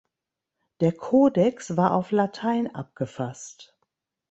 Der "Codex" war auf Latein abgefasst.